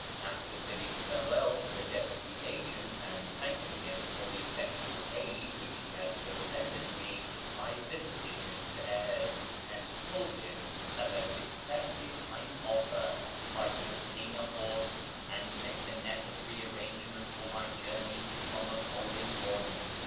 After bidding farewell to the deputy agent and thanking him for the effectual aid which he had rendered me, I visited Mr Eyres, and told him that I would accept his kind offer if I could obtain a horse and make the necessary arrangements for my journey on the following morning.